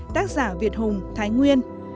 tác giả việt hùng thái nguyên